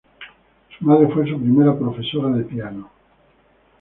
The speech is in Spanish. Su madre fue su primera profesora de piano.